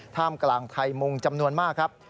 ท่ามกลางไทยมุงจำนวนมากครับ